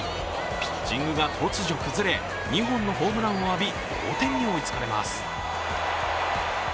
ピッチングが突如崩れ、２本のホームランを浴び同点に追いつかれます。